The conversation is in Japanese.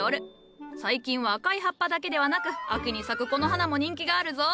最近は赤い葉っぱだけではなく秋に咲くこの花も人気があるぞ。